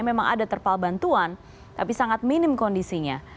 memang ada terpal bantuan tapi sangat minim kondisinya